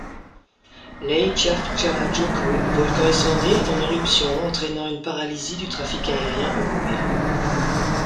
L’Eyjafjallajökull, volcan islandais, est en éruption, entraînant une paralysie du trafic aérien européen.